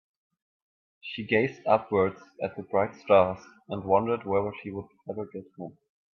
She gazed upwards at the bright stars and wondered whether she would ever get home.